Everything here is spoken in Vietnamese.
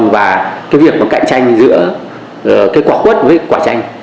và cái việc có cạnh tranh giữa cái quả quất với quả tranh